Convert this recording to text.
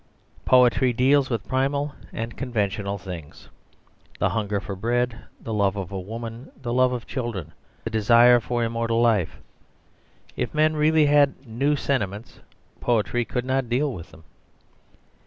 Poetry deals with primal and conventional things the hunger for bread, the love of woman, the love of children, the desire for immortal life. If men really had new sentiments, poetry could not deal with them.